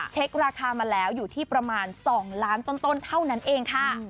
แจ๊ดชวนชื่น